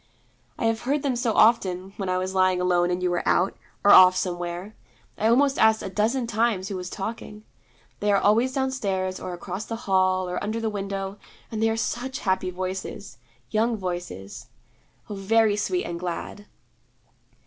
'I have heard them so often when I was lying alone and you were out, or off somewhere. I almost asked a dozen times who was talking. They are always downstairs, or across the hall, or under the window; and they are such happy voices: young voices oh, very sweet and glad.'